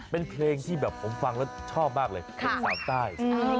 เป็นเพลงที่แบบผมฟังแล้วชอบมากเลยเพลงสาวใต้